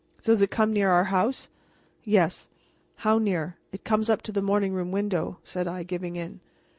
"Does it come near our house?" "Yes." "How near?" "It comes up to the morning room window," said I, giving in.